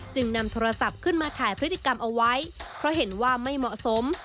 นำโทรศัพท์ขึ้นมาถ่ายพฤติกรรมเอาไว้เพราะเห็นว่าไม่เหมาะสม